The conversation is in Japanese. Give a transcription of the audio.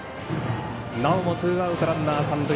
なおもツーアウトランナー、三塁。